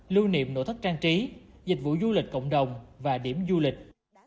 lưu niệm nội thất trang trí dịch vụ du lịch cộng đồng và điểm du lịch